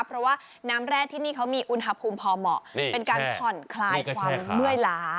เพราะว่าน้ำแร่ที่นี่เขามีอุณหภูมิพอเหมาะเป็นการผ่อนคลายความเมื่อยล้า